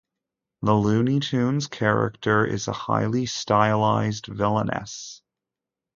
The Looney Tunes character is a highly stylized villainess.